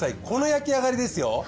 この焼き上がりですよ。